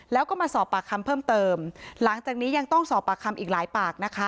แล้วก็มาสอบปากคำเพิ่มเติมหลังจากนี้ยังต้องสอบปากคำอีกหลายปากนะคะ